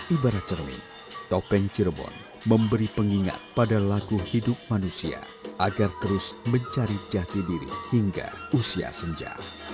ibarat cermin topeng cirebon memberi pengingat pada lagu hidup manusia agar terus mencari jati diri hingga usia senja